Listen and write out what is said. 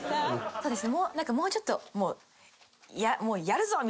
そうですね。